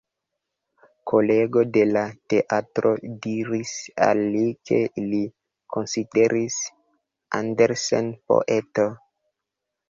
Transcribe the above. Kolego de la teatro diris al li ke li konsideris Andersen poeto.